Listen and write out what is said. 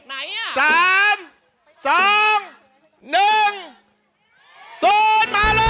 ไหนอ่ะสามสองหนึ่งสูตรมาเลย